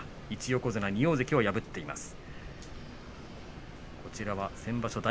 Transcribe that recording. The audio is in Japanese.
１横綱、２大関を破っています。